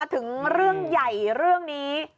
ถึงเรื่องใหญ่เรื่องนี้